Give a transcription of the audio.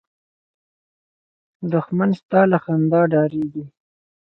دښمن ستا له خندا ډارېږي